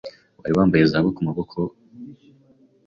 wari wambaye zahabu ku maboko ,